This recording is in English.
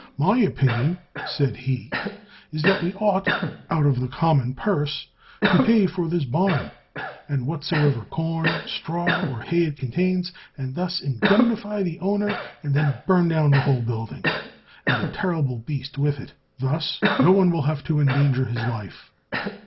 "My opinion," said he, "is that we ought, out of the common purse, to pay for this barn, and whatsoever corn, straw, or hay it contains, and thus indemnify the owner, and then burn down the whole building, and the terrible beast with it. Thus no one will have to endanger his life.